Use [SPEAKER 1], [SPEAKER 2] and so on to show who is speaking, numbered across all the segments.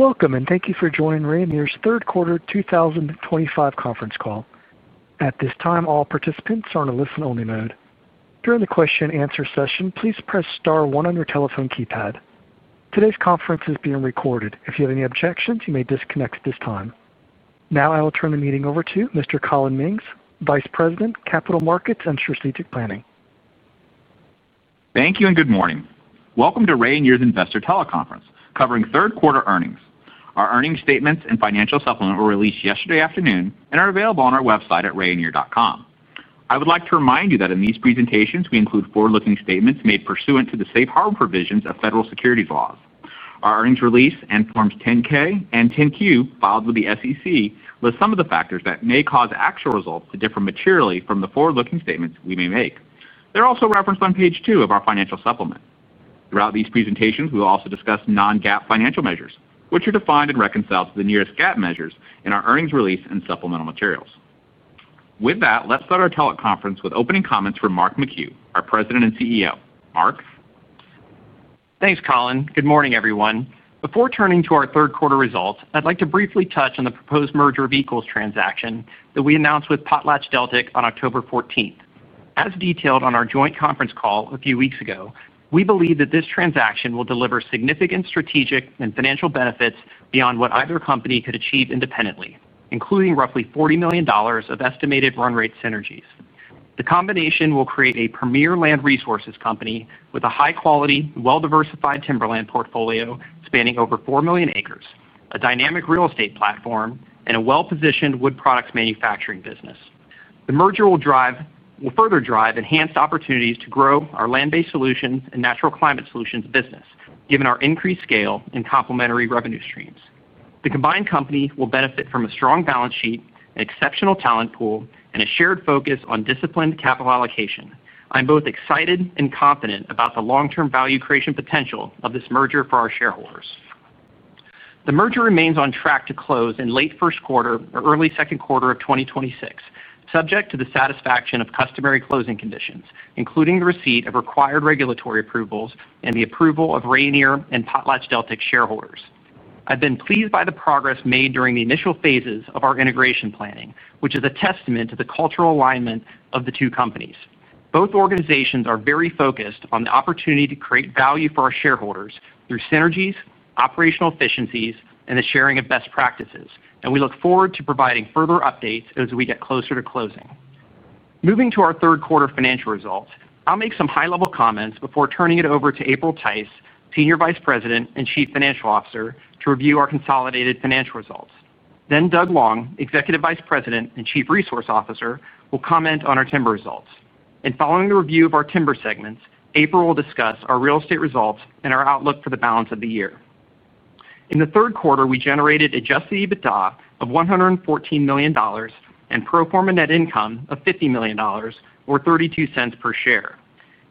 [SPEAKER 1] Welcome, and thank you for joining Rayonier's Third Quarter 2025 Conference Call. At this time, all participants are in a listen-only mode. During the question-and-answer session, please press star one on your telephone keypad. Today's conference is being recorded. If you have any objections, you may disconnect at this time. Now, I will turn the meeting over to Mr. Collin Mings, Vice President, Capital Markets and Strategic Planning.
[SPEAKER 2] Thank you, and good morning. Welcome to Rayonier's Investor Teleconference, covering third quarter earnings. Our earnings statements and financial supplement were released yesterday afternoon and are available on our website at rayonier.com. I would like to remind you that in these presentations, we include forward-looking statements made pursuant to the safe harbor provisions of federal securities laws. Our earnings release and Forms 10-K and 10-Q filed with the SEC list some of the factors that may cause actual results to differ materially from the forward-looking statements we may make. They are also referenced on page two of our financial supplement. Throughout these presentations, we will also discuss non-GAAP financial measures, which are defined and reconciled to the nearest GAAP measures in our earnings release and supplemental materials. With that, let's start our teleconference with opening comments from Mark McHugh, our President and CEO. Mark.
[SPEAKER 3] Thanks, Collin. Good morning, everyone. Before turning to our third quarter results, I'd like to briefly touch on the proposed merger of equals transaction that we announced with PotlatchDeltic on October 14th. As detailed on our joint conference call a few weeks ago, we believe that this transaction will deliver significant strategic and financial benefits beyond what either company could achieve independently, including roughly $40 million of estimated run rate synergies. The combination will create a premier land resources company with a high-quality, well-diversified timberland portfolio spanning over 4 million acres, a dynamic real estate platform, and a well-positioned wood products manufacturing business. The merger will further drive enhanced opportunities to grow our land-based solutions and natural climate solutions business, given our increased scale and complementary revenue streams. The combined company will benefit from a strong balance sheet, an exceptional talent pool, and a shared focus on disciplined capital allocation. I'm both excited and confident about the long-term value creation potential of this merger for our shareholders. The merger remains on track to close in late first quarter or early second quarter of 2026, subject to the satisfaction of customary closing conditions, including the receipt of required regulatory approvals and the approval of Rayonier and PotlatchDeltic shareholders. I've been pleased by the progress made during the initial phases of our integration planning, which is a testament to the cultural alignment of the two companies. Both organizations are very focused on the opportunity to create value for our shareholders through synergies, operational efficiencies, and the sharing of best practices, and we look forward to providing further updates as we get closer to closing. Moving to our third quarter financial results, I'll make some high-level comments before turning it over to April Tice, Senior Vice President and Chief Financial Officer, to review our consolidated financial results. Doug Long, Executive Vice President and Chief Resource Officer, will comment on our timber results. Following the review of our timber segments, April will discuss our real estate results and our outlook for the balance of the year. In the third quarter, we generated adjusted EBITDA of $114 million and pro forma net income of $50 million, or $0.32 per share.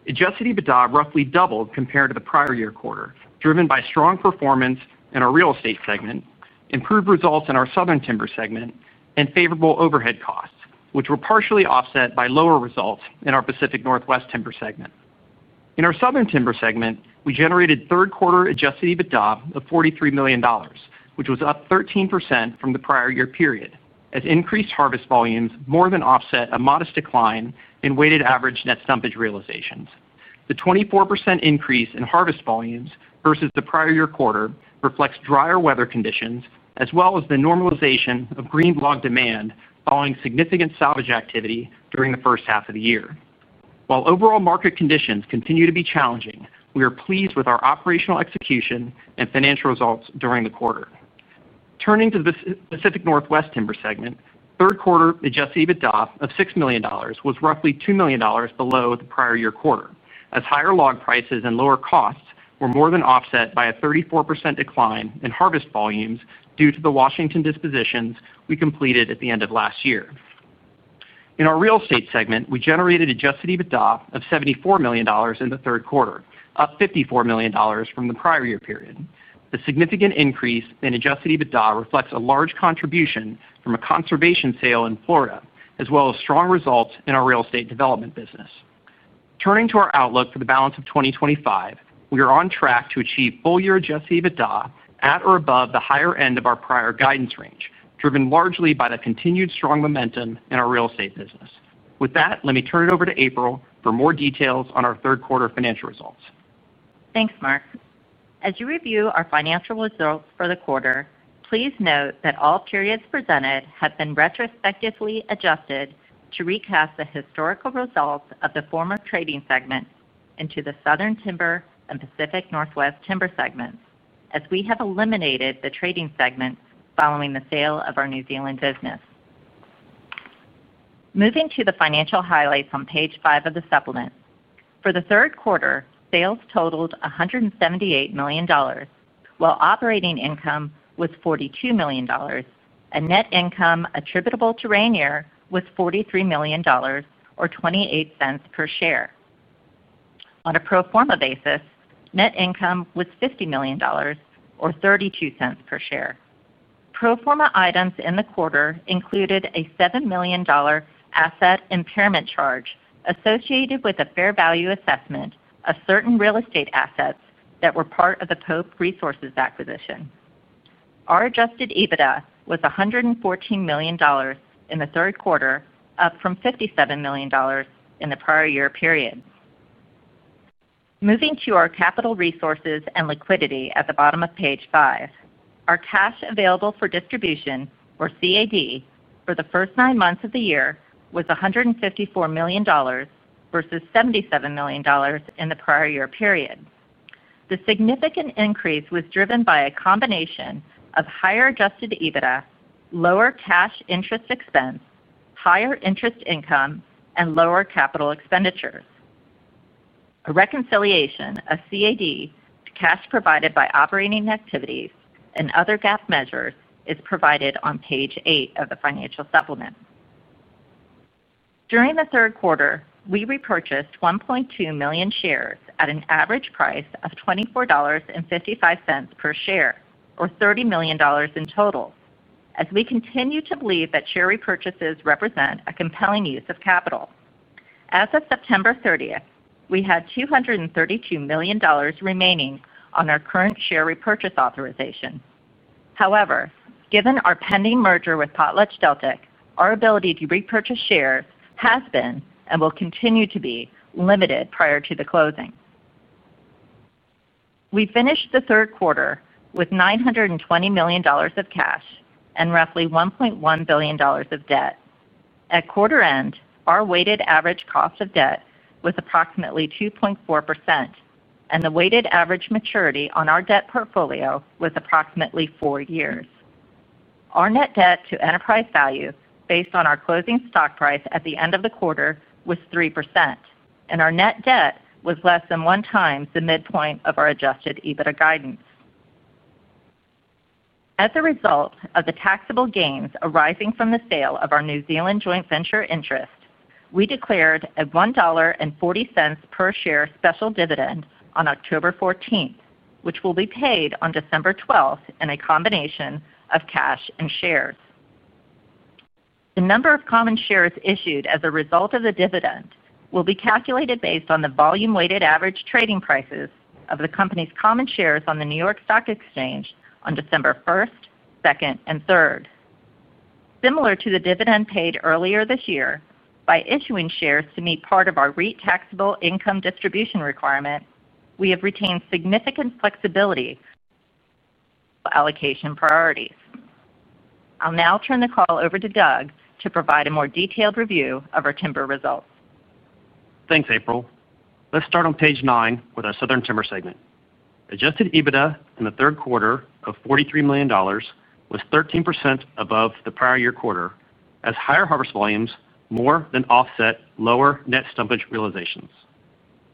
[SPEAKER 3] Adjusted EBITDA roughly doubled compared to the prior year quarter, driven by strong performance in our real estate segment, improved results in our southern timber segment, and favorable overhead costs, which were partially offset by lower results in our Pacific Northwest Timber segment. In our Southern Timber segment, we generated third quarter adjusted EBITDA of $43 million, which was up 13% from the prior year period, as increased harvest volumes more than offset a modest decline in weighted average net stumpage realizations. The 24% increase in harvest volumes versus the prior year quarter reflects drier weather conditions as well as the normalization of green block demand following significant salvage activity during the first half of the year. While overall market conditions continue to be challenging, we are pleased with our operational execution and financial results during the quarter. Turning to the Pacific Northwest Timber segment, third quarter adjusted EBITDA of $6 million was roughly $2 million below the prior year quarter, as higher log prices and lower costs were more than offset by a 34% decline in harvest volumes due to the Washington dispositions we completed at the end of last year. In our real estate segment, we generated adjusted EBITDA of $74 million in the third quarter, up $54 million from the prior year period. The significant increase in adjusted EBITDA reflects a large contribution from a conservation sale in Florida, as well as strong results in our real estate development business. Turning to our outlook for the balance of 2025, we are on track to achieve full-year adjusted EBITDA at or above the higher end of our prior guidance range, driven largely by the continued strong momentum in our real estate business. With that, let me turn it over to April for more details on our third quarter financial results.
[SPEAKER 4] Thanks, Mark. As you review our financial results for the quarter, please note that all periods presented have been retrospectively adjusted to recap the historical results of the former trading segment into the Southern Timber and Pacific Northwest Timber segments, as we have eliminated the trading segment following the sale of our New Zealand business. Moving to the financial highlights on page five of the supplement. For the third quarter, sales totaled $178 million, while operating income was $42 million, and net income attributable to Rayonier was $43 million, or $0.28 per share. On a pro forma basis, net income was $50 million, or $0.32 per share. Pro forma items in the quarter included a $7 million asset impairment charge associated with a fair value assessment of certain real estate assets that were part of the Pope Resources acquisition. Our adjusted EBITDA was $114 million in the third quarter, up from $57 million in the prior year period. Moving to our capital resources and liquidity at the bottom of page five, our cash available for distribution, or CAD, for the first nine months of the year was $154 million, versus $77 million in the prior year period. The significant increase was driven by a combination of higher adjusted EBITDA, lower cash interest expense, higher interest income, and lower capital expenditures. A reconciliation of CAD to cash provided by operating activities and other GAAP measures is provided on page eight of the financial supplement. During the third quarter, we repurchased 1.2 million shares at an average price of $24.55 per share, or $30 million in total, as we continue to believe that share repurchases represent a compelling use of capital. As of September 30th, we had $232 million remaining on our current share repurchase authorization. However, given our pending merger with PotlatchDeltic, our ability to repurchase shares has been and will continue to be limited prior to the closing. We finished the third quarter with $920 million of cash and roughly $1.1 billion of debt. At quarter end, our weighted average cost of debt was approximately 2.4%, and the weighted average maturity on our debt portfolio was approximately four years. Our net debt to enterprise value, based on our closing stock price at the end of the quarter, was 3%, and our net debt was less than one time the midpoint of our adjusted EBITDA guidance. As a result of the taxable gains arising from the sale of our New Zealand joint venture interest, we declared a $1.40 per share special dividend on October 14th, which will be paid on December 12th in a combination of cash and shares. The number of common shares issued as a result of the dividend will be calculated based on the volume-weighted average trading prices of the company's common shares on the New York Stock Exchange on December 1st, 2nd, and 3rd. Similar to the dividend paid earlier this year, by issuing shares to meet part of our retaxable income distribution requirement, we have retained significant flexibility. Allocation priorities. I'll now turn the call over to Doug to provide a more detailed review of our timber results.
[SPEAKER 5] Thanks, April. Let's start on page nine with our Southern Timber segment. Adjusted EBITDA in the third quarter of $43 million was 13% above the prior year quarter, as higher harvest volumes more than offset lower net stumpage realizations.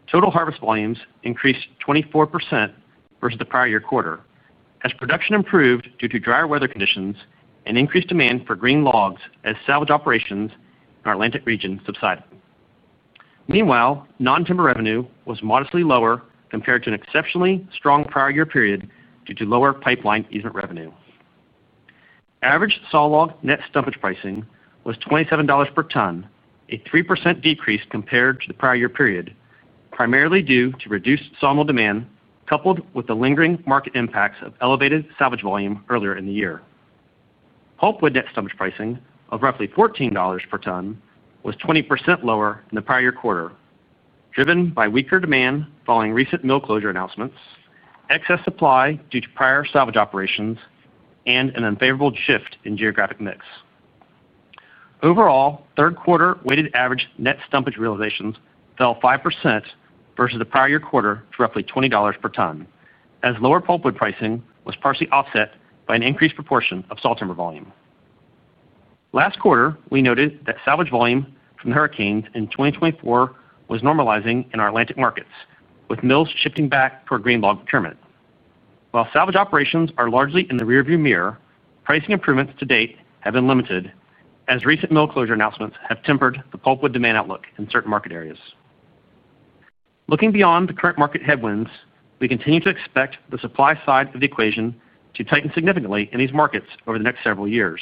[SPEAKER 5] Total harvest volumes increased 24% versus the prior year quarter, as production improved due to drier weather conditions and increased demand for green logs as salvage operations in our Atlantic region subsided. Meanwhile, non-timber revenue was modestly lower compared to an exceptionally strong prior year period due to lower pipeline easement revenue. Average saw log net stumpage pricing was $27 per ton, a 3% decrease compared to the prior year period, primarily due to reduced sawmill demand coupled with the lingering market impacts of elevated salvage volume earlier in the year. Pulpwood net stumpage pricing of roughly $14 per ton was 20% lower than the prior year quarter, driven by weaker demand following recent mill closure announcements, excess supply due to prior salvage operations, and an unfavorable shift in geographic mix. Overall, third quarter weighted average net stumpage realizations fell 5% versus the prior year quarter to roughly $20 per ton, as lower pulpwood pricing was partially offset by an increased proportion of saw timber volume. Last quarter, we noted that salvage volume from the hurricanes in 2024 was normalizing in our Atlantic markets, with mills shifting back for green log procurement. While salvage operations are largely in the rearview mirror, pricing improvements to date have been limited, as recent mill closure announcements have tempered the pulpwood demand outlook in certain market areas. Looking beyond the current market headwinds, we continue to expect the supply side of the equation to tighten significantly in these markets over the next several years.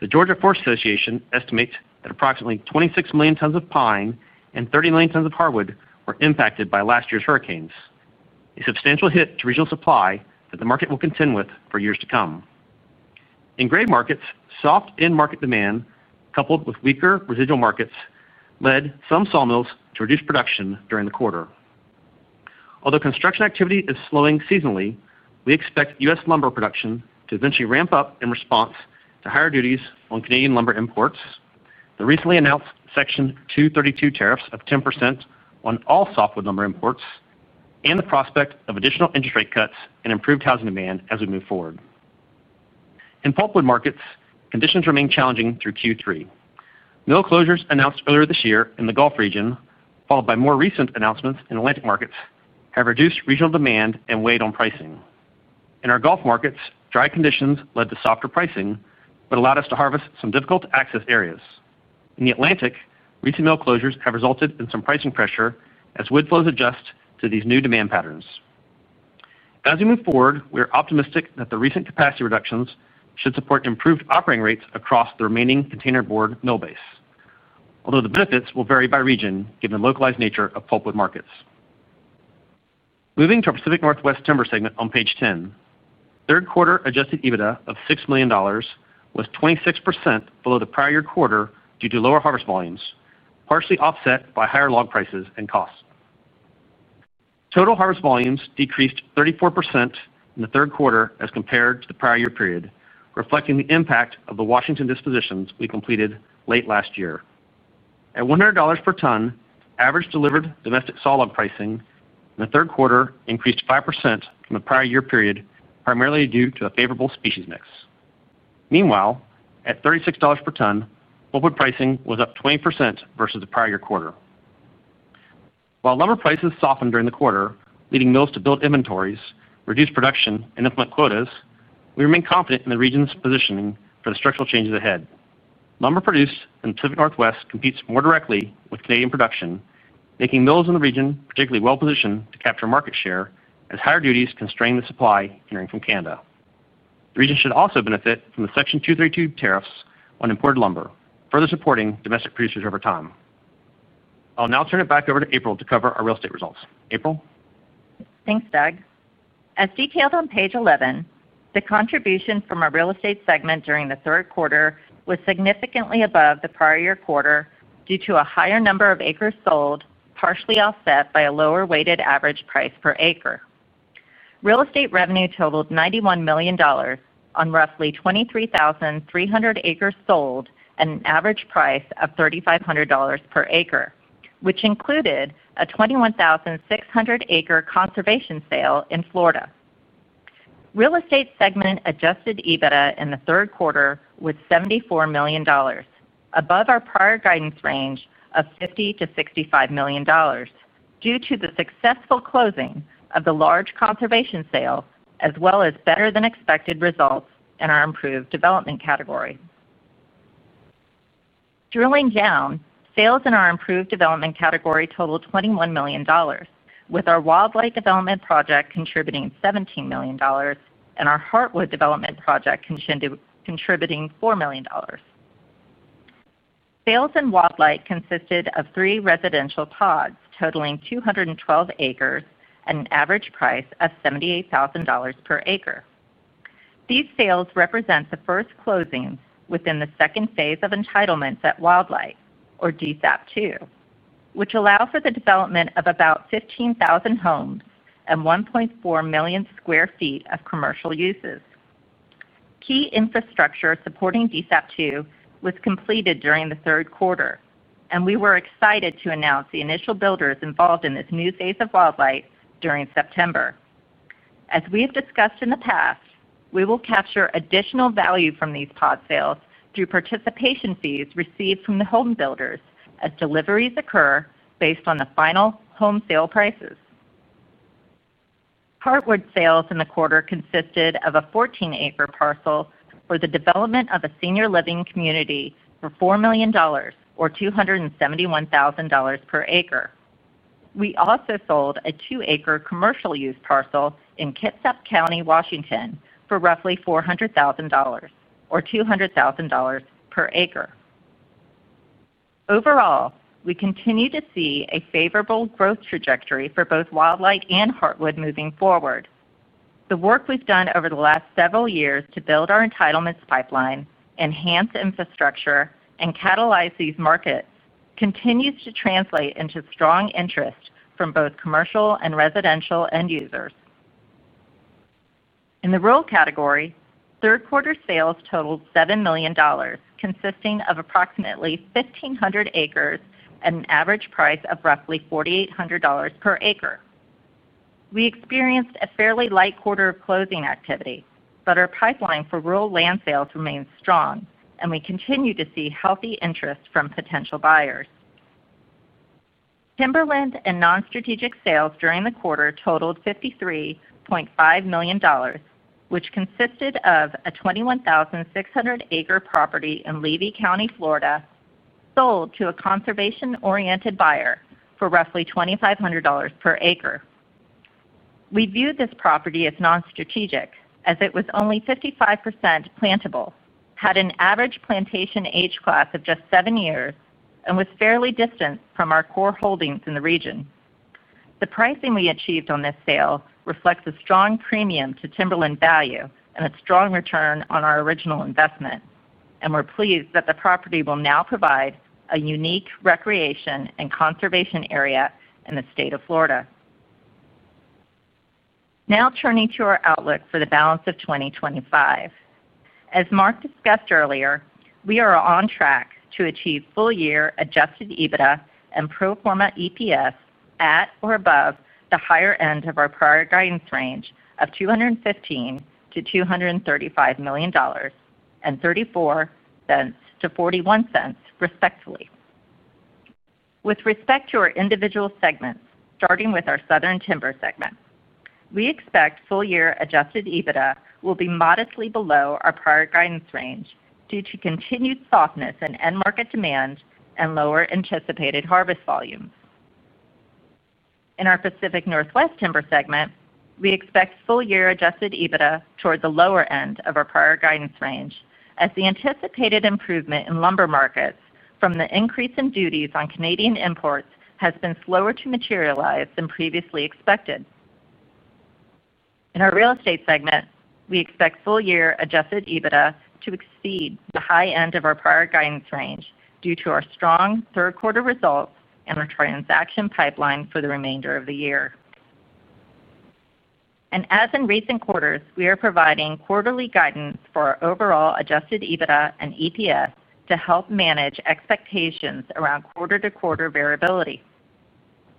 [SPEAKER 5] The Georgia Forestry Association estimates that approximately 26 million tons of pine and 30 million tons of hardwood were impacted by last year's hurricanes, a substantial hit to regional supply that the market will contend with for years to come. In grave markets, soft end market demand, coupled with weaker residual markets, led some sawmills to reduce production during the quarter. Although construction activity is slowing seasonally, we expect U.S. lumber production to eventually ramp up in response to higher duties on Canadian lumber imports, the recently announced Section 232 tariffs of 10% on all softwood lumber imports, and the prospect of additional interest rate cuts and improved housing demand as we move forward. In pulpwood markets, conditions remain challenging through Q3. Mill closures announced earlier this year in the Gulf region, followed by more recent announcements in Atlantic markets, have reduced regional demand and weighed on pricing. In our Gulf markets, dry conditions led to softer pricing, but allowed us to harvest some difficult-to-access areas. In the Atlantic, recent mill closures have resulted in some pricing pressure as wood flows adjust to these new demand patterns. As we move forward, we are optimistic that the recent capacity reductions should support improved operating rates across the remaining container board mill base, although the benefits will vary by region given the localized nature of pulpwood markets. Moving to our Pacific Northwest timber segment on page 10, third quarter adjusted EBITDA of $6 million was 26% below the prior year quarter due to lower harvest volumes, partially offset by higher log prices and costs. Total harvest volumes decreased 34% in the third quarter as compared to the prior year period, reflecting the impact of the Washington dispositions we completed late last year. At $100 per ton, average delivered domestic saw log pricing in the third quarter increased 5% from the prior year period, primarily due to a favorable species mix. Meanwhile, at $36 per ton, pulpwood pricing was up 20% versus the prior year quarter. While lumber prices softened during the quarter, leading mills to build inventories, reduce production, and implement quotas, we remain confident in the region's positioning for the structural changes ahead. Lumber produced in the Pacific Northwest competes more directly with Canadian production, making mills in the region particularly well-positioned to capture market share as higher duties constrain the supply coming from Canada. The region should also benefit from the Section 232 tariffs on imported lumber, further supporting domestic producers over time. I'll now turn it back over to April to cover our real estate results. April.
[SPEAKER 4] Thanks, Doug. As detailed on page 11, the contribution from our real estate segment during the third quarter was significantly above the prior year quarter due to a higher number of acres sold, partially offset by a lower weighted average price per acre. Real estate revenue totaled $91 million. On roughly 23,300 acres sold at an average price of $3,500 per acre, which included a 21,600-acre conservation sale in Florida. Real estate segment adjusted EBITDA in the third quarter was $74 million, above our prior guidance range of $50-$65 million, due to the successful closing of the large conservation sale, as well as better-than-expected results in our improved development category. Drilling down, sales in our improved development category totaled $21 million, with our Wildlight Development project contributing $17 million and our Heartwood Development project contributing $4 million. Sales in Wildlight consisted of three residential pods totaling 212 acres at an average price of $78,000 per acre. These sales represent the first closing within the second phase of entitlements at Wildlight, or DSAP 2, which allow for the development of about 15,000 homes and 1.4 million sq ft of commercial uses. Key infrastructure supporting DSAP 2 was completed during the third quarter, and we were excited to announce the initial builders involved in this new phase of Wildlight during September. As we have discussed in the past, we will capture additional value from these pod sales through participation fees received from the home builders as deliveries occur based on the final home sale prices. Heartwood sales in the quarter consisted of a 14-acre parcel for the development of a senior living community for $4 million, or $271,000 per acre. We also sold a two-acre commercial use parcel in Kitsap County, Washington, for roughly $400,000, or $200,000 per acre. Overall, we continue to see a favorable growth trajectory for both Wildlight and Heartwood moving forward. The work we've done over the last several years to build our entitlements pipeline, enhance infrastructure, and catalyze these markets continues to translate into strong interest from both commercial and residential end users. In the rural category, third quarter sales totaled $7 million, consisting of approximately 1,500 acres at an average price of roughly $4,800 per acre. We experienced a fairly light quarter of closing activity, but our pipeline for rural land sales remains strong, and we continue to see healthy interest from potential buyers. Timberland and non-strategic sales during the quarter totaled $53.5 million, which consisted of a 21,600-acre property in Levy County, Florida, sold to a conservation-oriented buyer for roughly $2,500 per acre. We viewed this property as non-strategic, as it was only 55% plantable, had an average plantation age class of just seven years, and was fairly distant from our core holdings in the region. The pricing we achieved on this sale reflects a strong premium to timberland value and a strong return on our original investment, and we are pleased that the property will now provide a unique recreation and conservation area in the state of Florida. Now turning to our outlook for the balance of 2025. As Mark discussed earlier, we are on track to achieve full-year adjusted EBITDA and pro forma EPS at or above the higher end of our prior guidance range of $215 million-$235 million and $0.34-$0.41, respectively. With respect to our individual segments, starting with our Southern Timber segment, we expect full-year adjusted EBITDA will be modestly below our prior guidance range due to continued softness in end market demand and lower anticipated harvest volumes. In our Pacific Northwest Timber segment, we expect full-year adjusted EBITDA toward the lower end of our prior guidance range, as the anticipated improvement in lumber markets from the increase in duties on Canadian imports has been slower to materialize than previously expected. In our Real Estate segment, we expect full-year adjusted EBITDA to exceed the high end of our prior guidance range due to our strong third quarter results and our transaction pipeline for the remainder of the year. As in recent quarters, we are providing quarterly guidance for our overall adjusted EBITDA and EPS to help manage expectations around quarter-to-quarter variability.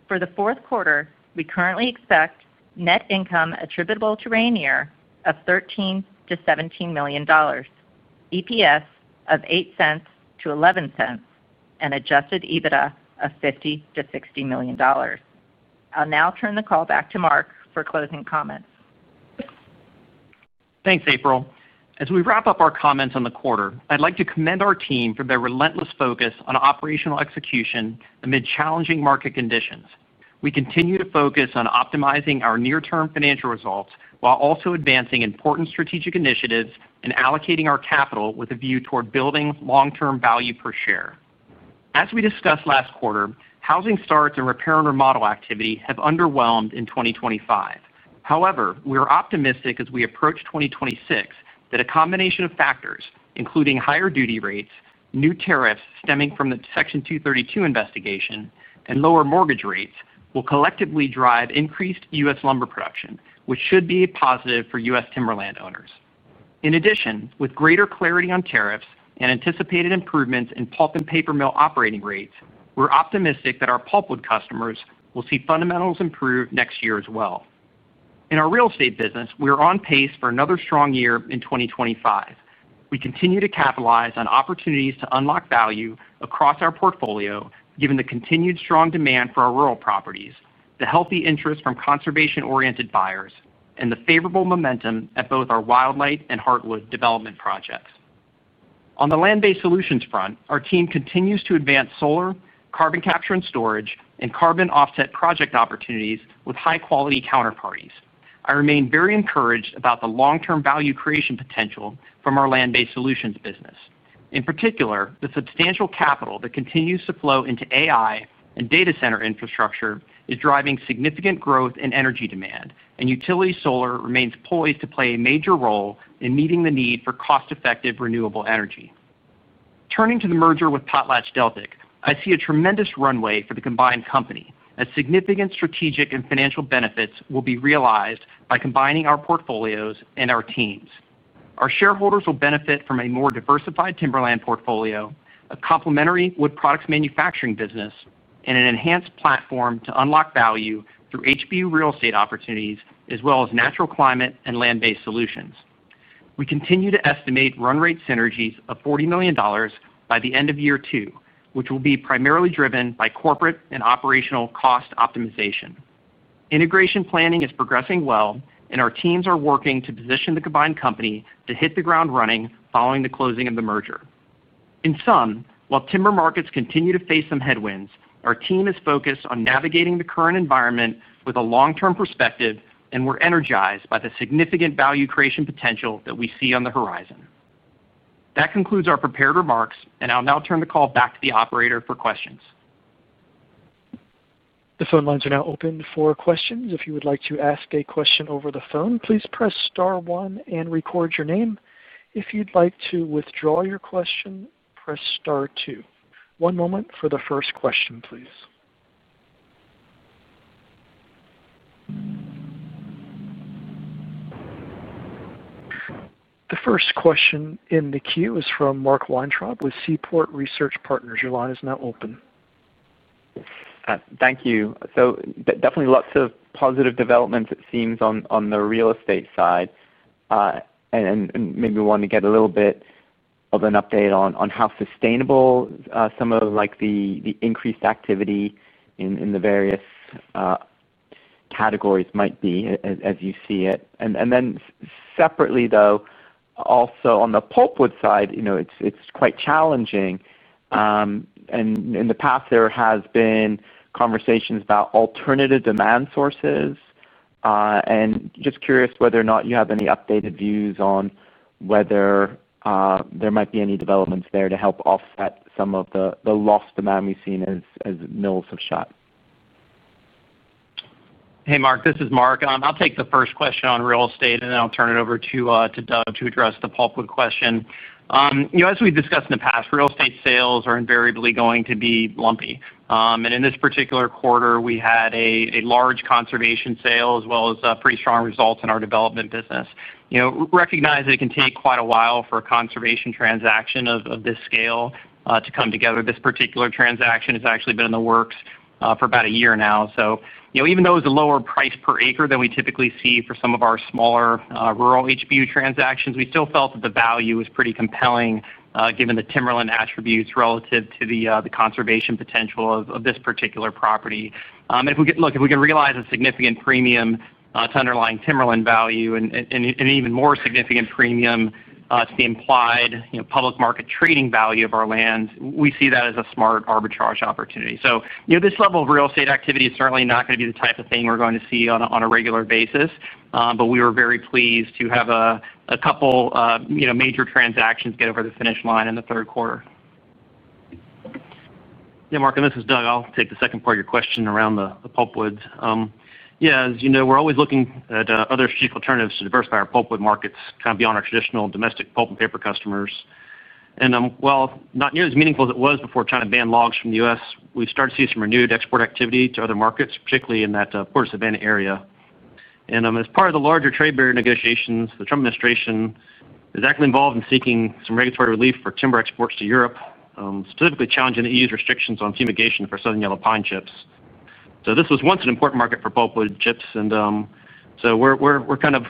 [SPEAKER 4] For the fourth quarter, we currently expect net income attributable to Rayonier of $13-$17 million, EPS of $0.08-$0.11, and adjusted EBITDA of $50-$60 million. I'll now turn the call back to Mark for closing comments.
[SPEAKER 3] Thanks, April. As we wrap up our comments on the quarter, I'd like to commend our team for their relentless focus on operational execution amid challenging market conditions. We continue to focus on optimizing our near-term financial results while also advancing important strategic initiatives and allocating our capital with a view toward building long-term value per share. As we discussed last quarter, housing starts and repair and remodel activity have underwhelmed in 2025. However, we are optimistic as we approach 2026 that a combination of factors, including higher duty rates, new tariffs stemming from the Section 232 investigation, and lower mortgage rates will collectively drive increased U.S. lumber production, which should be a positive for U.S. timberland owners. In addition, with greater clarity on tariffs and anticipated improvements in pulp and paper mill operating rates, we're optimistic that our pulpwood customers will see fundamentals improve next year as well. In our real estate business, we are on pace for another strong year in 2025. We continue to capitalize on opportunities to unlock value across our portfolio, given the continued strong demand for our rural properties, the healthy interest from conservation-oriented buyers, and the favorable momentum at both our Wildlight and Heartwood development projects. On the land-based solutions front, our team continues to advance solar, carbon capture and storage, and carbon offset project opportunities with high-quality counterparties. I remain very encouraged about the long-term value creation potential from our land-based solutions business. In particular, the substantial capital that continues to flow into AI and data center infrastructure is driving significant growth in energy demand, and utility solar remains poised to play a major role in meeting the need for cost-effective renewable energy. Turning to the merger with PotlatchDeltic, I see a tremendous runway for the combined company, as significant strategic and financial benefits will be realized by combining our portfolios and our teams. Our shareholders will benefit from a more diversified timberland portfolio, a complementary wood products manufacturing business, and an enhanced platform to unlock value through HBU real estate opportunities, as well as natural climate and land-based solutions. We continue to estimate run rate synergies of $40 million by the end of year two, which will be primarily driven by corporate and operational cost optimization. Integration planning is progressing well, and our teams are working to position the combined company to hit the ground running following the closing of the merger. In sum, while timber markets continue to face some headwinds, our team is focused on navigating the current environment with a long-term perspective and we're energized by the significant value creation potential that we see on the horizon. That concludes our prepared remarks, and I'll now turn the call back to the operator for questions.
[SPEAKER 1] The phone lines are now open for questions. If you would like to ask a question over the phone, please press star one and record your name. If you'd like to withdraw your question, press star two. One moment for the first question, please. The first question in the queue is from Mark Weintraub with Seaport Research Partners. Your line is now open.
[SPEAKER 6] Thank you. Definitely lots of positive developments, it seems, on the real estate side. Maybe we want to get a little bit of an update on how sustainable some of the increased activity in the various categories might be, as you see it. Separately, though, also on the pulpwood side, it is quite challenging. In the past, there have been conversations about alternative demand sources. Just curious whether or not you have any updated views on whether there might be any developments there to help offset some of the lost demand we have seen as mills have shut.
[SPEAKER 3] Hey, Mark, this is Mark. I'll take the first question on real estate, and then I'll turn it over to Doug to address the pulpwood question. As we've discussed in the past, real estate sales are invariably going to be lumpy. In this particular quarter, we had a large conservation sale, as well as pretty strong results in our development business. Recognize that it can take quite a while for a conservation transaction of this scale to come together. This particular transaction has actually been in the works for about a year now. Even though it was a lower price per acre than we typically see for some of our smaller rural HBU transactions, we still felt that the value was pretty compelling given the timberland attributes relative to the conservation potential of this particular property. If we can realize a significant premium to underlying timberland value and an even more significant premium to the implied public market trading value of our land, we see that as a smart arbitrage opportunity. This level of real estate activity is certainly not going to be the type of thing we're going to see on a regular basis, but we were very pleased to have a couple of major transactions get over the finish line in the third quarter.
[SPEAKER 5] Yeah, Mark, and this is Doug. I'll take the second part of your question around the pulpwoods. As you know, we're always looking at other strategic alternatives to diversify our pulpwood markets kind of beyond our traditional domestic pulp and paper customers. While not nearly as meaningful as it was before trying to ban logs from the U.S., we've started to see some renewed export activity to other markets, particularly in that Port of Savannah area. As part of the larger trade barrier negotiations, the Trump administration is actively involved in seeking some regulatory relief for timber exports to Europe, specifically challenging the EU's restrictions on fumigation for Southern Yellow Pine chips. This was once an important market for pulpwood chips, and we're kind of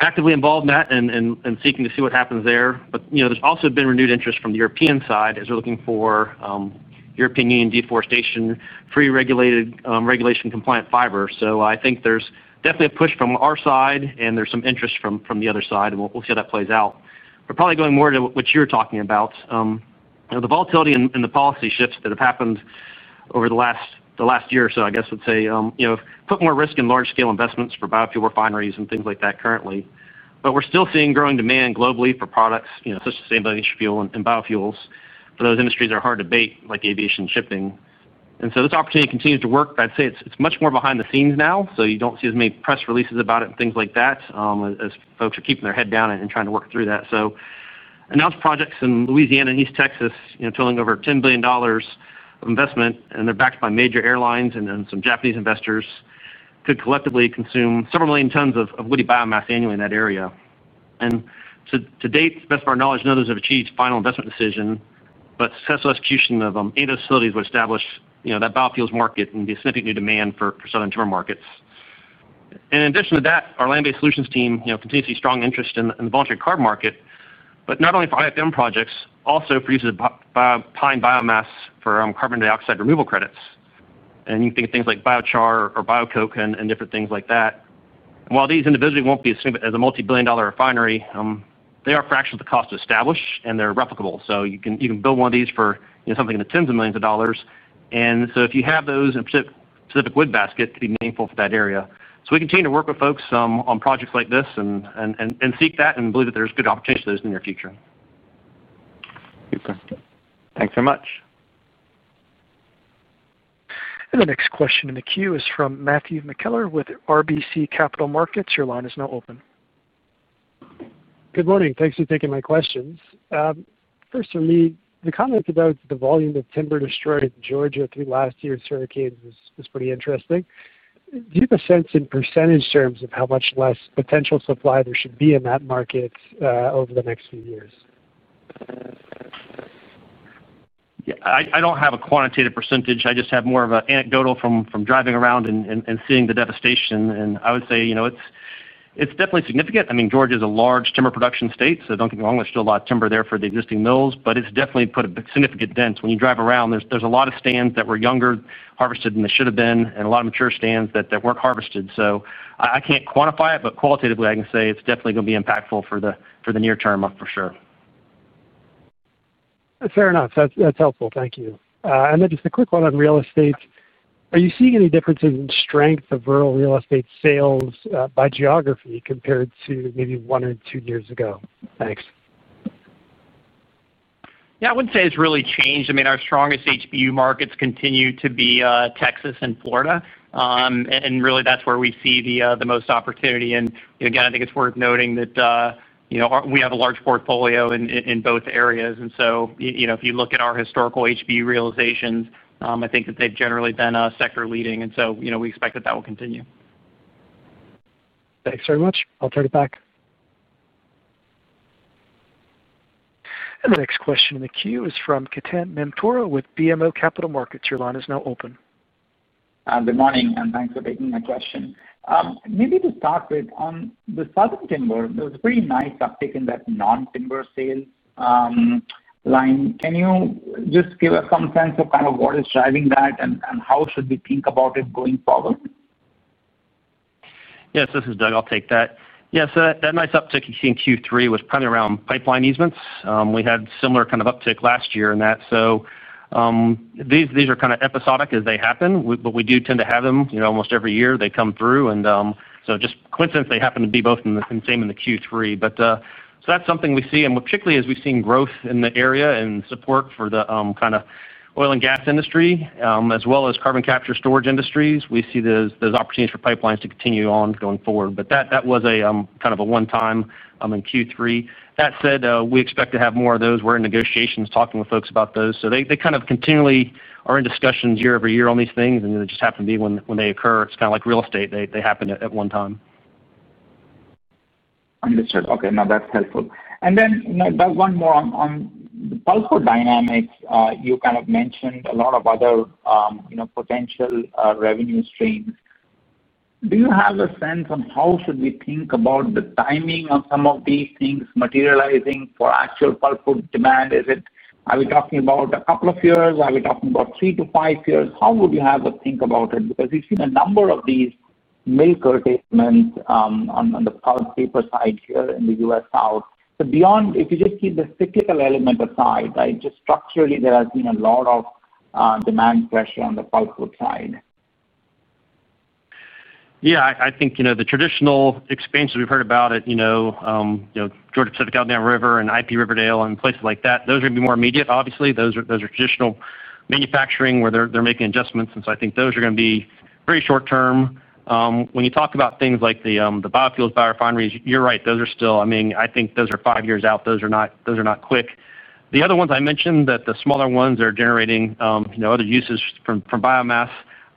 [SPEAKER 5] actively involved in that and seeking to see what happens there. There has also been renewed interest from the European side as we're looking for European Union deforestation-free regulation compliant fiber. I think there's definitely a push from our side, and there's some interest from the other side, and we'll see how that plays out. We're probably going more to what you're talking about. The volatility and the policy shifts that have happened over the last year or so, I guess I would say, put more risk in large-scale investments for biofuel refineries and things like that currently. We're still seeing growing demand globally for products such as sustainable fuel and biofuels for those industries that are hard to abate, like aviation and shipping. This opportunity continues to work, but I'd say it's much more behind the scenes now, so you don't see as many press releases about it and things like that, as folks are keeping their head down and trying to work through that. Announced projects in Louisiana and East Texas totaling over $10 billion of investment, and they're backed by major airlines and some Japanese investors could collectively consume several million tons of woody biomass annually in that area. To date, to the best of our knowledge, none of those have achieved final investment decision, but successful execution of any of those facilities would establish that biofuels market and be a significant new demand for southern timber markets. In addition to that, our land-based solutions team continues to see strong interest in the voluntary carbon market, but not only for IFM projects, also for use of pine biomass for carbon dioxide removal credits. You can think of things like biochar or biocoke and different things like that. While these individually won't be as significant as a multi-billion dollar refinery, they are a fraction of the cost to establish, and they're replicable. You can build one of these for something in the tens of millions of dollars. If you have those in a specific wood basket, it could be meaningful for that area. We continue to work with folks on projects like this and seek that and believe that there's good opportunities for those in the near future.
[SPEAKER 6] Thanks so much.
[SPEAKER 1] The next question in the queue is from Matthew McKellar with RBC Capital Markets. Your line is now open.
[SPEAKER 7] Good morning. Thanks for taking my questions. First, for me, the comment about the volume of timber destroyed in Georgia through last year's hurricanes was pretty interesting. Do you have a sense in percentage terms of how much less potential supply there should be in that market over the next few years?
[SPEAKER 3] I do not have a quantitative percentage. I just have more of anecdotal from driving around and seeing the devastation. I would say it is definitely significant. I mean, Georgia is a large timber production state, so do not get me wrong, there is still a lot of timber there for the existing mills, but it has definitely put a significant dent. When you drive around, there are a lot of stands that were younger harvested than they should have been and a lot of mature stands that were not harvested. I cannot quantify it, but qualitatively, I can say it is definitely going to be impactful for the near term, for sure.
[SPEAKER 7] Fair enough. That's helpful. Thank you. Just a quick one on real estate. Are you seeing any differences in strength of rural real estate sales by geography compared to maybe one or two years ago? Thanks.
[SPEAKER 3] Yeah, I wouldn't say it's really changed. I mean, our strongest HBU markets continue to be Texas and Florida. Really, that's where we see the most opportunity. I think it's worth noting that we have a large portfolio in both areas. If you look at our historical HBU realizations, I think that they've generally been sector leading. We expect that that will continue.
[SPEAKER 7] Thanks very much. I'll turn it back.
[SPEAKER 1] The next question in the queue is from Ketan Mamtora with BMO Capital Markets. Your line is now open.
[SPEAKER 8] Good morning and thanks for taking my question. Maybe to start with, on the Southern Timber, there's a pretty nice uptick in that non-timber sales line. Can you just give us some sense of kind of what is driving that and how should we think about it going forward?
[SPEAKER 5] Yes, this is Doug. I'll take that. Yeah, so that nice uptick you see in Q3 was probably around pipeline easements. We had similar kind of uptick last year in that. These are kind of episodic as they happen, but we do tend to have them almost every year. They come through. It is just coincidence, they happen to be both in the same in the Q3. That is something we see. Particularly as we've seen growth in the area and support for the kind of oil and gas industry, as well as carbon capture and storage industries, we see those opportunities for pipelines to continue on going forward. That was kind of a one-time in Q3. That said, we expect to have more of those. We're in negotiations talking with folks about those. They kind of continually are in discussions year over year on these things, and they just happen to be when they occur. It's kind of like real estate. They happen at one time.
[SPEAKER 8] Understood. Okay, now that's helpful. One more on the pulpwood dynamics. You kind of mentioned a lot of other potential revenue streams. Do you have a sense on how should we think about the timing of some of these things materializing for actual pulpwood demand? Are we talking about a couple of years? Are we talking about three to five years? How would you have a think about it? Because we've seen a number of these mill curtailments on the pulp paper side here in the U.S. South. Beyond, if you just keep the cyclical element aside, just structurally, there has been a lot of demand pressure on the pulpwood side.
[SPEAKER 5] Yeah, I think the traditional experiences we've heard about it. Georgia-Pacific River and IP Riverdale and places like that, those are going to be more immediate, obviously. Those are traditional manufacturing where they're making adjustments. I think those are going to be very short-term. When you talk about things like the biofuels biorefineries, you're right. I mean, I think those are five years out. Those are not quick. The other ones I mentioned, the smaller ones are generating other uses from biomass,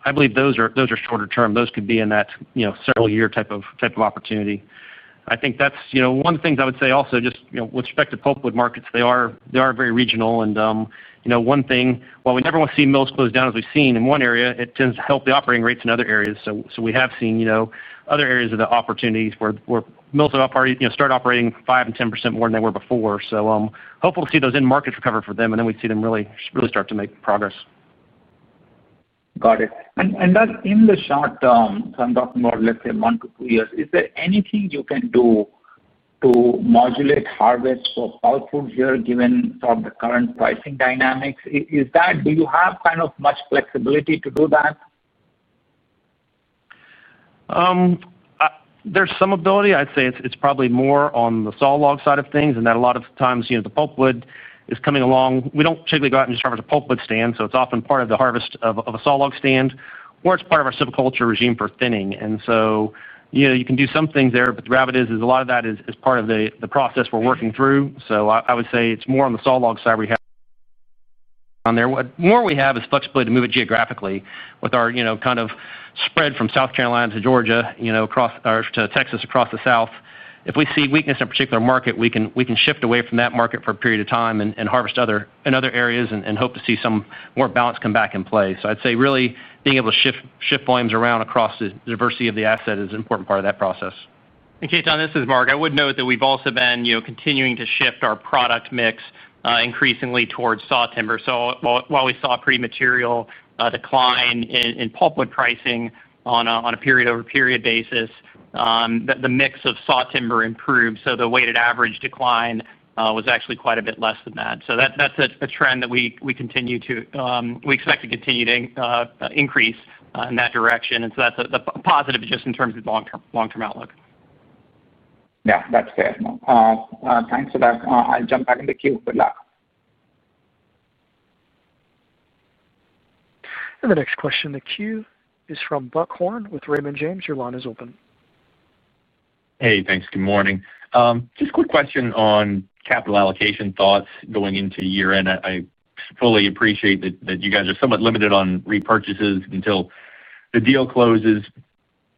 [SPEAKER 5] I believe those are shorter-term. Those could be in that several-year type of opportunity. I think that's one of the things I would say also, just with respect to pulpwood markets, they are very regional. One thing, while we never want to see mills close down as we've seen in one area, it tends to help the operating rates in other areas. We have seen other areas of the opportunities where mills start operating 5% and 10% more than they were before. Hopeful to see those end markets recover for them, and then we see them really start to make progress.
[SPEAKER 8] Got it. That's in the short term. I'm talking about, let's say, one to two years. Is there anything you can do to modulate harvest for pulpwood here, given sort of the current pricing dynamics? Do you have kind of much flexibility to do that?
[SPEAKER 5] There's some ability. I'd say it's probably more on the saw log side of things in that a lot of times the pulpwood is coming along. We don't typically go out and just harvest a pulpwood stand, so it's often part of the harvest of a saw log stand, or it's part of our silviculture regime for thinning. You can do some things there, but the reality is a lot of that is part of the process we're working through. I would say it's more on the saw log side we have. What more we have is flexibility to move it geographically with our kind of spread from South Carolina to Georgia to Texas across the south. If we see weakness in a particular market, we can shift away from that market for a period of time and harvest in other areas and hope to see some more balance come back in play. I'd say really being able to shift volumes around across the diversity of the asset is an important part of that process.
[SPEAKER 3] Ketan, this is Mark. I would note that we've also been continuing to shift our product mix increasingly towards saw timber. While we saw pretty material decline in pulpwood pricing on a period-over-period basis, the mix of saw timber improved, so the weighted average decline was actually quite a bit less than that. That's a trend that we expect to continue to increase in that direction. That's a positive just in terms of long-term outlook.
[SPEAKER 8] Yeah, that's fair. Thanks for that. I'll jump back in the queue. Good luck.
[SPEAKER 1] The next question in the queue is from Buck Horne with Raymond James. Your line is open.
[SPEAKER 9] Hey, thanks. Good morning. Just a quick question on capital allocation thoughts going into year-end. I fully appreciate that you guys are somewhat limited on repurchases until the deal closes,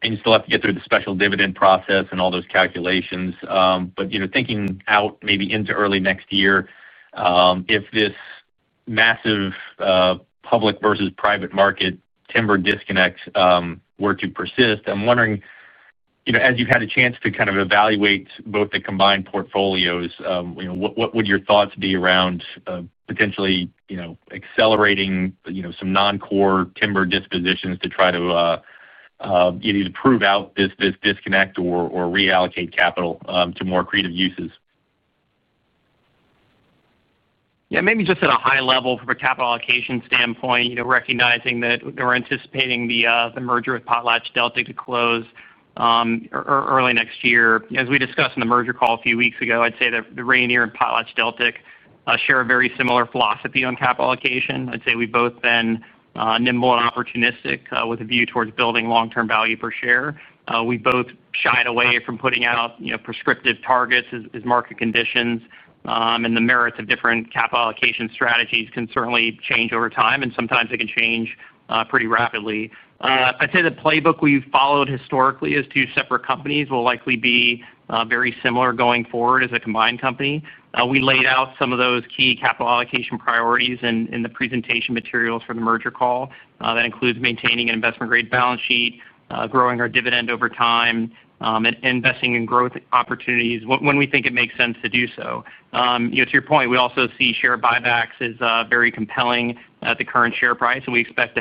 [SPEAKER 9] and you still have to get through the special dividend process and all those calculations. Thinking out maybe into early next year, if this massive public versus private market timber disconnect were to persist, I'm wondering, as you've had a chance to kind of evaluate both the combined portfolios, what would your thoughts be around potentially accelerating some non-core timber dispositions to try to prove out this disconnect or reallocate capital to more creative uses?
[SPEAKER 3] Yeah, maybe just at a high level from a capital allocation standpoint, recognizing that we're anticipating the merger with PotlatchDeltic to close early next year. As we discussed in the merger call a few weeks ago, I'd say that Rayonier and PotlatchDeltic share a very similar philosophy on capital allocation. I'd say we've both been nimble and opportunistic with a view towards building long-term value per share. We both shied away from putting out prescriptive targets as market conditions, and the merits of different capital allocation strategies can certainly change over time, and sometimes they can change pretty rapidly. I'd say the playbook we've followed historically as two separate companies will likely be very similar going forward as a combined company. We laid out some of those key capital allocation priorities in the presentation materials for the merger call. That includes maintaining an investment-grade balance sheet, growing our dividend over time, and investing in growth opportunities when we think it makes sense to do so. To your point, we also see share buybacks as very compelling at the current share price, and we expect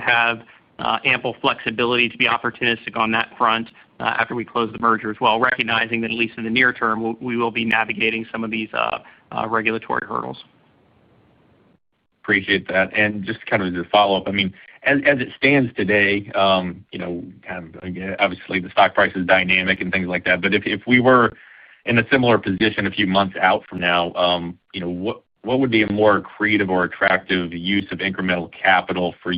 [SPEAKER 3] to have ample flexibility to be opportunistic on that front after we close the merger as well, recognizing that at least in the near term, we will be navigating some of these regulatory hurdles.
[SPEAKER 9] Appreciate that. Just kind of as a follow-up, I mean, as it stands today. Kind of obviously the stock price is dynamic and things like that, but if we were in a similar position a few months out from now, what would be a more creative or attractive use of incremental capital for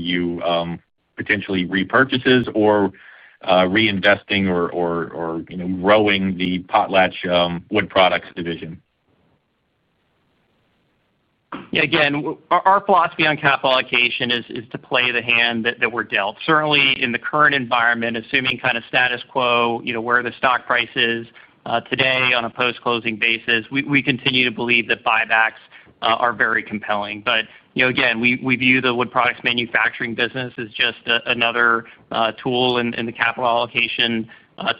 [SPEAKER 9] you, potentially repurchases or reinvesting or growing the Potlatch Wood Products division?
[SPEAKER 3] Yeah, again, our philosophy on capital allocation is to play the hand that we're dealt. Certainly, in the current environment, assuming kind of status quo where the stock price is today on a post-closing basis, we continue to believe that buybacks are very compelling. Again, we view the Wood Products manufacturing business as just another tool in the capital allocation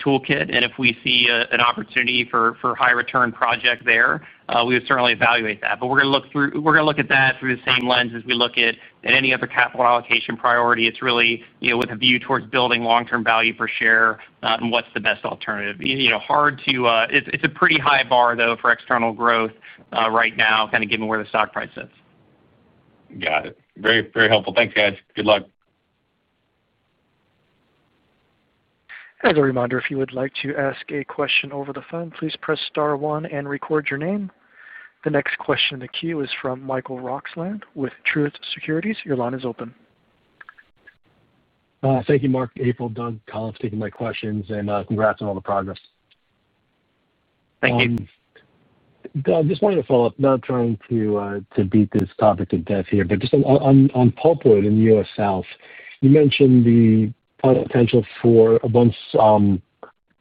[SPEAKER 3] toolkit. If we see an opportunity for a high-return project there, we would certainly evaluate that. We are going to look at that through the same lens as we look at any other capital allocation priority. It is really with a view towards building long-term value per share and what is the best alternative. It is a pretty high bar, though, for external growth right now, kind of given where the stock price sits.
[SPEAKER 9] Got it. Very helpful. Thanks, guys. Good luck.
[SPEAKER 1] As a reminder, if you would like to ask a question over the phone, please press star one and record your name. The next question in the queue is from Michael Roxland with Truist Securities. Your line is open.
[SPEAKER 10] Thank you, Mark, April, Doug, Collin, for taking my questions, and congrats on all the progress.
[SPEAKER 3] Thank you.
[SPEAKER 10] Doug, just wanted to follow up. Not trying to beat this topic to death here, but just on pulpwood in the U.S. South, you mentioned the potential for once some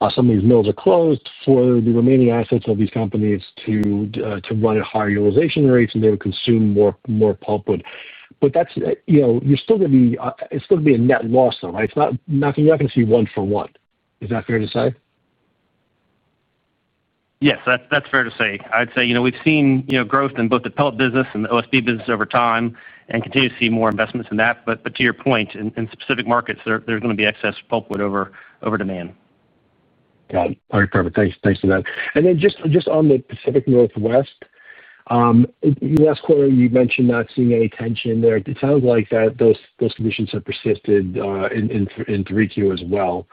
[SPEAKER 10] of these mills are closed for the remaining assets of these companies to run at higher utilization rates, and they would consume more pulpwood. You're still going to be, it's still going to be a net loss, though, right? You're not going to see one for one. Is that fair to say?
[SPEAKER 5] Yes, that's fair to say. I'd say we've seen growth in both the pulp business and the OSB business over time and continue to see more investments in that. To your point, in specific markets, there's going to be excess pulpwood over demand.
[SPEAKER 10] Got it. All right, perfect. Thanks for that. Then just on the Pacific Northwest. Last quarter, you mentioned not seeing any tension there. It sounds like those conditions have persisted in 3Q as well.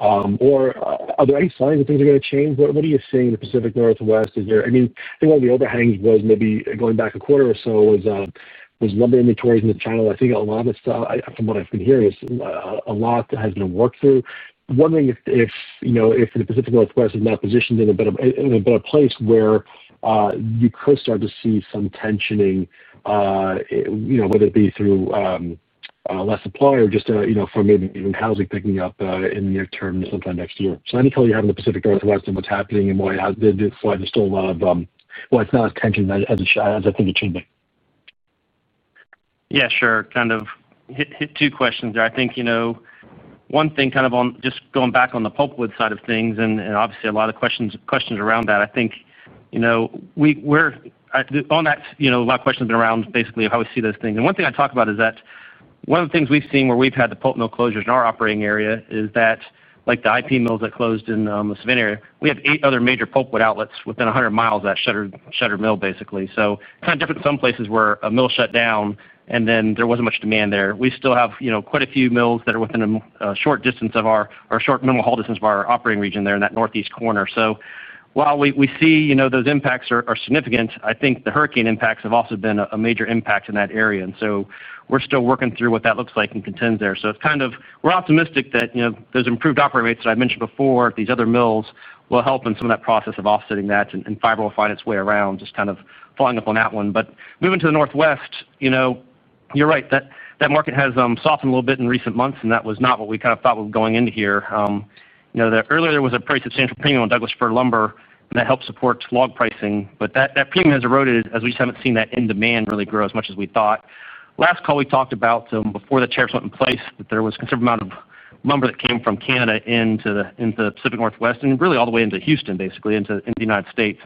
[SPEAKER 10] Are there any signs that things are going to change? What are you seeing in the Pacific Northwest? I mean, I think one of the overhangs was maybe going back a quarter or so was lumber inventories in the channel. I think a lot of stuff, from what I've been hearing, a lot has been worked through. Wondering if the Pacific Northwest is now positioned in a better place where you could start to see some tensioning, whether it be through less supply or just from maybe even housing picking up in the near term sometime next year. I need to tell you how the Pacific Northwest and what's happening and why there's still a lot of why it's not as tensioned as I think it should be.
[SPEAKER 5] Yeah, sure. Kind of hit two questions there, I think. One thing kind of on just going back on the pulpwood side of things, and obviously a lot of questions around that, I think. On that, a lot of questions have been around basically how we see those things. And one thing I talk about is that one of the things we've seen where we've had the pulp mill closures in our operating area is that like the IP mills that closed in the Savannah area, we have eight other major pulpwood outlets within 100 mi of that shuttered mill, basically. Kind of different than some places where a mill shut down and then there wasn't much demand there. We still have quite a few mills that are within a short distance or a short minimal haul distance of our operating region there in that northeast corner. While we see those impacts are significant, I think the hurricane impacts have also been a major impact in that area. We are still working through what that looks like and contends there. We are optimistic that those improved operating rates that I mentioned before at these other mills will help in some of that process of offsetting that, and fiber will find its way around, just kind of following up on that one. Moving to the Northwest, you are right, that market has softened a little bit in recent months, and that was not what we kind of thought we were going into here. Earlier, there was a pretty substantial premium on Douglas Fir lumber that helped support log pricing, but that premium has eroded as we just have not seen that end demand really grow as much as we thought. Last call we talked about before the tariffs went in place, that there was a considerable amount of lumber that came from Canada into the Pacific Northwest and really all the way into Houston, basically, into the United States.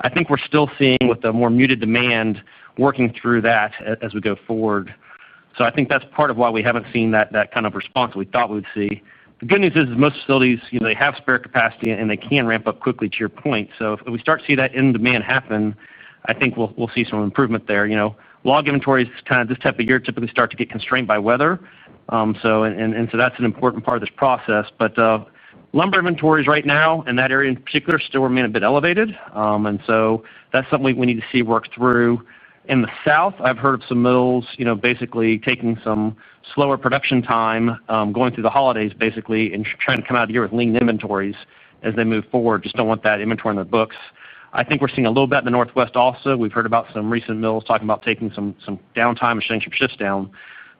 [SPEAKER 5] I think we're still seeing with the more muted demand working through that as we go forward. I think that's part of why we haven't seen that kind of response that we thought we would see. The good news is most facilities, they have spare capacity and they can ramp up quickly, to your point. If we start to see that end demand happen, I think we'll see some improvement there. Log inventories this type of year typically start to get constrained by weather. That's an important part of this process. Lumber inventories right now in that area in particular still remain a bit elevated. That is something we need to see work through. In the South, I've heard of some mills basically taking some slower production time going through the holidays, basically, and trying to come out of the year with lean inventories as they move forward. They just do not want that inventory on their books. I think we are seeing a little bit in the Northwest also. We have heard about some recent mills talking about taking some downtime and shutting some shifts down.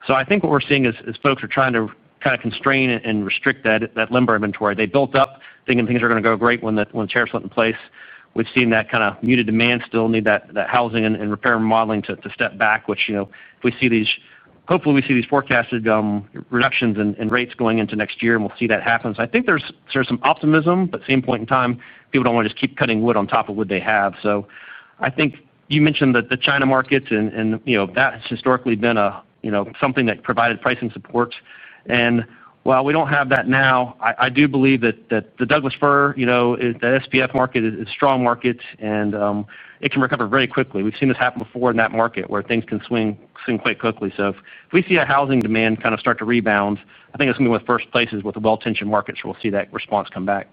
[SPEAKER 5] I think what we are seeing is folks are trying to kind of constrain and restrict that lumber inventory. They built up thinking things are going to go great when the tariffs went in place. We have seen that kind of muted demand still need that housing and repair remodeling to step back, which. If we see these, hopefully we see these forecasted reductions in rates going into next year, and we'll see that happen. I think there's some optimism, but at the same point in time, people don't want to just keep cutting wood on top of wood they have. I think you mentioned the China markets, and that has historically been something that provided pricing support. While we don't have that now, I do believe that the Douglas Fir, the SPF market is a strong market, and it can recover very quickly. We've seen this happen before in that market where things can swing quite quickly. If we see a housing demand kind of start to rebound, I think it's going to be one of the first places with the well-tensioned markets, where we'll see that response come back.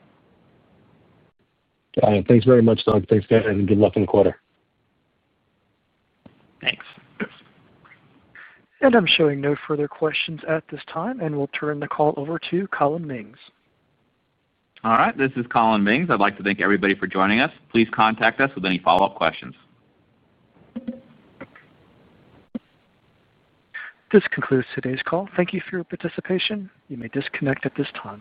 [SPEAKER 10] Got it. Thanks very much, Doug. Thanks and good luck in the quarter.
[SPEAKER 5] Thanks.
[SPEAKER 1] I'm showing no further questions at this time, and we'll turn the call over to Collin Mings.
[SPEAKER 2] All right. This is Collin Mings. I'd like to thank everybody for joining us. Please contact us with any follow-up questions.
[SPEAKER 1] This concludes today's call. Thank you for your participation. You may disconnect at this time.